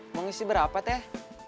mau ngisi berapa teh